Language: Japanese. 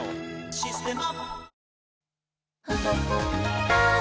「システマ」